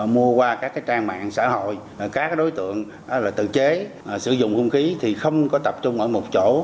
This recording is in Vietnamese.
mua qua các trang mạng xã hội các đối tượng tự chế sử dụng hung khí thì không có tập trung ở một chỗ